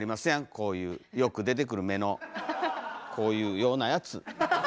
こういうよく出てくる目のこういうようなやつ。